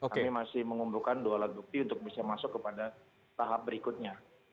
kami masih mengumpulkan dua alat bukti untuk bisa masuk kepada tahap berikutnya